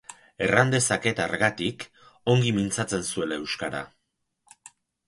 Erran dezaket hargatik, ongi mintzatzen zuela euskara.